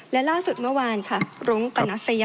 และล่าสุดเมื่อวานค่ะรุ้งปนัสยา